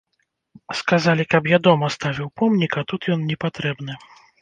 Сказалі, каб я дома ставіў помнік, а тут ён непатрэбны.